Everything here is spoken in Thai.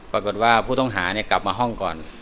ปรากฏว่าผู้ต้องหากลับมาห้องก่อน